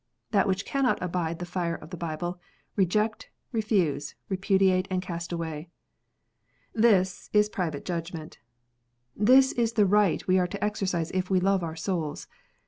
That which cannot abide the fire of the Bible, reject, refuse, repudiate, and cast away." This is private judgment. This is the right we are to exercise if we love our souls.